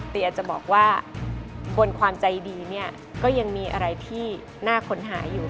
อาจจะบอกว่าบนความใจดีเนี่ยก็ยังมีอะไรที่น่าค้นหาอยู่